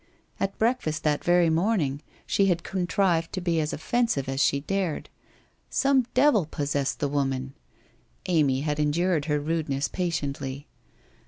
At breakfast that very morning she had contrived to be as offensive as she dared. Some devil possessed the woman ! Amy had en dured her rudeness patiently.